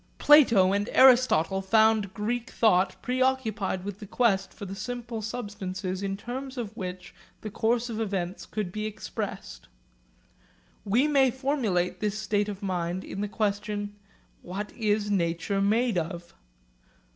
Plato and Aristotle found Greek thought preoccupied with the quest for the simple substances in terms of which the course of events could be expressed. We may formulate this state of mind in the question, What is nature made of?